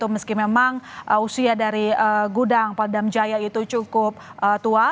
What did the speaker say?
meski memang usia dari gudang paldam jaya itu cukup tua